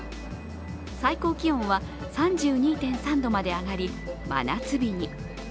最高気温は３２．３度まで上がり真夏日に。